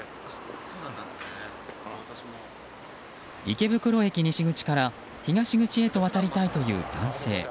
池袋駅西口から東口へと渡りたいという男性。